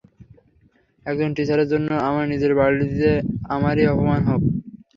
একজন টিচারের জন্য আমার নিজের বাড়িতে আমারই অপমান হোক?